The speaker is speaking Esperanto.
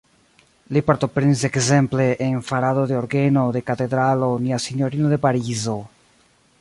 Li partoprenis ekzemple en farado de orgeno de Katedralo Nia Sinjorino de Parizo.